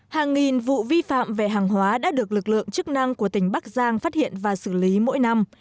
hàng nghìn vụ vi phạm về hàng hóa đã được lực lượng chức năng của tỉnh bắc giang phát hiện và xử lý mỗi năm